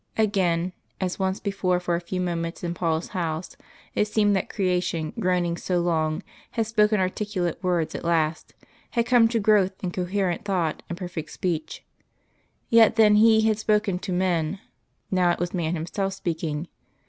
Again, as once before for a few moments in Paul's House, it seemed that creation, groaning so long, had spoken articulate words at last had come to growth and coherent thought and perfect speech. Yet then He had spoken to men; now it was Man Himself speaking.